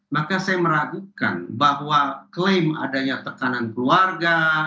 maka saya meragukan bahwa klaim adanya tekanan keluarga